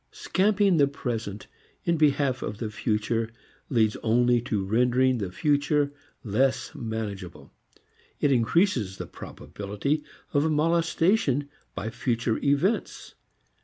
Scamping the present in behalf of the future leads only to rendering the future less manageable. It increases the probability of molestation by future events.